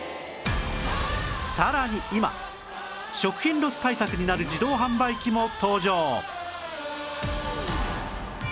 さらに今食品ロス対策になる自動販売機も登場